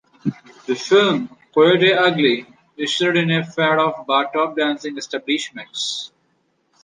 The film "Coyote Ugly" ushered in a fad of bartop dancing establishments.